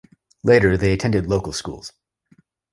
Later, they attended local schools.